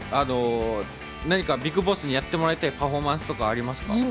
何かＢＩＧＢＯＳＳにやってもらいたいパフォーマンスとかありますか？